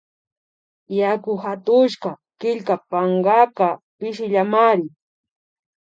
Yaku hatushka killka pankaka pishillamari